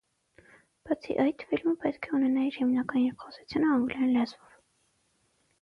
Բացի այդ, ֆիլմը պետք է ունենա իր հիմնական երկխոսությունը անգլերեն լեզվով։